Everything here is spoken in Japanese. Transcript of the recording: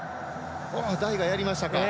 代がやりましたか！